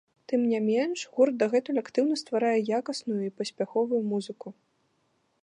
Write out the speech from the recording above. Тым не менш, гурт дагэтуль актыўна стварае якасную і паспяховую музыку.